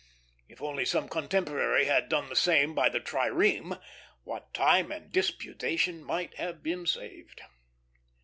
If only some contemporary had done the same by the trireme, what time and disputation might have been saved!